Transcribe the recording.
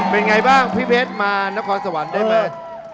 เป็นไงบ้างพี่เพชรมานครสวรรค์ได้ไหม